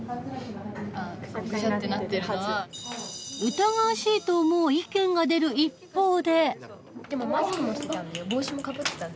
疑わしいと思う意見が出る一方で。